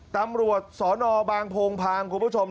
ตำรวจสนบางโพงพางคุณผู้ชม